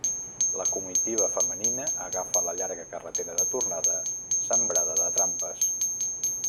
La comitiva femenina agafa la llarga carretera de tornada, sembrada de trampes.